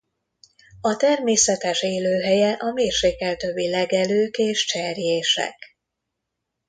A természetes élőhelye a mérsékelt övi legelők és cserjések.